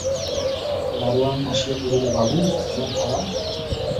গাড়োয়ান আসিয়া কহিল, বাবু, আমার ভাড়া।